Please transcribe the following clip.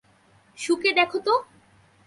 শুকে দেখো তো।